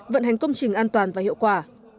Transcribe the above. vận hành công trình an toàn và hiệu quả